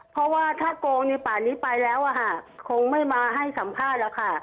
เพราะว่าถ้าโกงในป่านี้ไปแล้วคงไม่มาให้สัมภาษณ์แล้วค่ะ